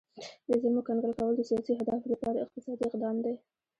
د زیرمو کنګل کول د سیاسي اهدافو لپاره اقتصادي اقدام دی